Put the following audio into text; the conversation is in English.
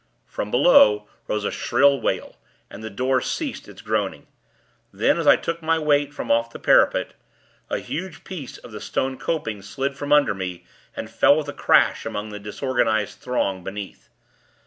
From below, rose a shrill wail; and the door ceased its groaning. Then, as I took my weight from off the parapet, a huge piece of the stone coping slid from under me, and fell with a crash among the disorganized throng beneath.